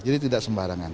jadi tidak sembarangan